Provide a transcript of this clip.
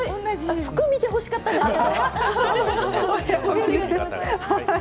服を見てほしかったんですけど。